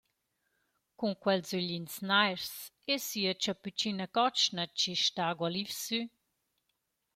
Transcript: Cun quels öglins nairs e sia chapütschina cotschna chi sta gualiv sü.